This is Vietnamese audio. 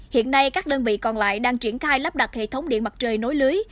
hiện nay các đơn vị còn lại đang triển khai lắp đặt hệ thống điện mặt trời nối lưới